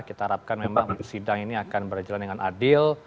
kita harapkan memang sidang ini akan berjalan dengan adil